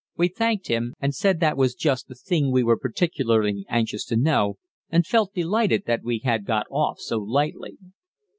We thanked him, and said that was just the thing we were particularly anxious to know, and felt delighted that we had got off so lightly.